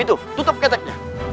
itu tutup keteknya